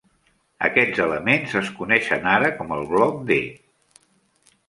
Aquests elements es coneixen ara com el 'bloc d'.